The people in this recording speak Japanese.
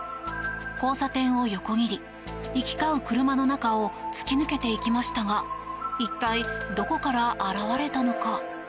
交差点を横切り行き交う車の中を突き抜けていきましたが一体どこから現れたのか？